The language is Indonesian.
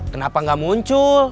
kenapa gak muncul